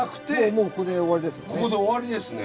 もうここで終わりですね。